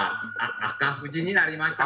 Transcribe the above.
赤富士になりました？